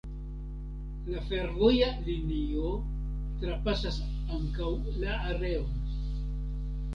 La fervoja linio trapasas ankaŭ la areon.